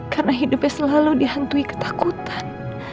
karena hidupnya selalu dihantui ketakutan